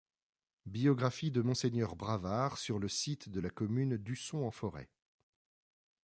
Biographie de Mgr Bravard sur le site de la commune d'Usson-en-Forez.